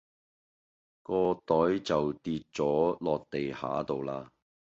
個袋就跌左落地下度啦